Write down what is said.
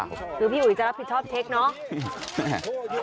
หัวเตียงค่ะหัวเตียงค่ะหัวเตียงค่ะ